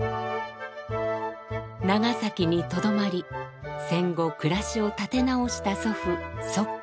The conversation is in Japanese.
長崎にとどまり戦後暮らしを立て直した祖父則浩。